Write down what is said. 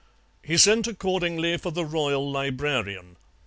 He sent accordingly for the Royal Librarian.